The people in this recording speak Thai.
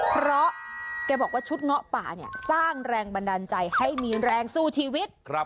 เพราะแกบอกว่าชุดเงาะป่าเนี่ยสร้างแรงบันดาลใจให้มีแรงสู้ชีวิต